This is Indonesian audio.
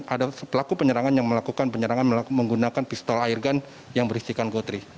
ada pelaku penyerangan yang melakukan penyerangan menggunakan pistol airgun yang berisikan gotris